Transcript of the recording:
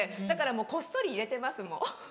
だからもうこっそり入れてます